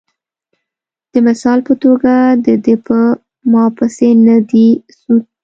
د مثال پۀ توګه د دۀ پۀ ما پېسې نۀ دي سود ،